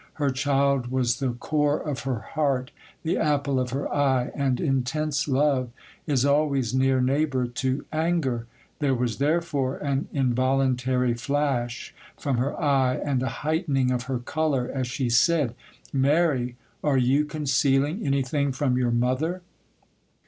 Her child was the core of her heart, the apple of her eye, and intense love is always near neighbour to anger; there was therefore an involuntary flash from her eye and a heightening of her colour, as she said,—'Mary, are you concealing anything from your mother?